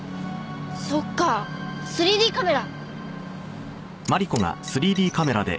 そっか３Ｄカメラ！